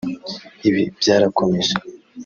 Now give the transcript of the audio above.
Ibi byarakomeje